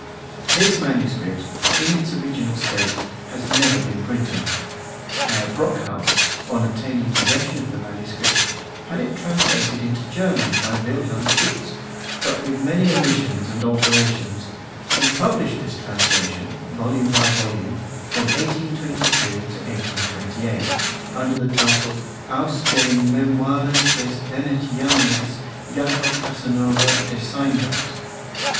This manuscript, in its original state, has never been printed. Herr Brockhaus, on obtaining possession of the manuscript, had it translated into German by Wilhelm Schutz, but with many omissions and alterations, and published this translation, volume by volume, from 1822 to 1828, under the title, 'Aus den Memoiren des Venetianers Jacob Casanova de Seingalt.